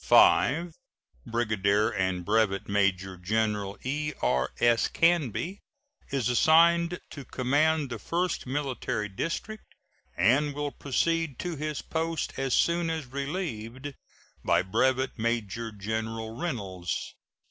5. Brigadier and Brevet Major General E.R.S. Canby is assigned to command the First Military District, and will proceed to his post as soon as relieved by Brevet Major General Reynolds.